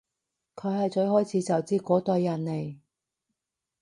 佢係最開始就知嗰堆人嚟